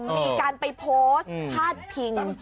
มีการไปโพสต์พาดพิง